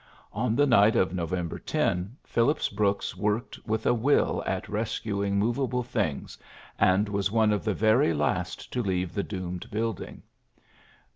On the night of November 10 Phillips Brooks worked with a will at rescuing movable things, and was one of the very last to leave the doomed building.